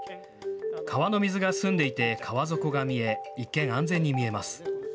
川の水が澄んでいて川底が見え、一見、安全に見えます。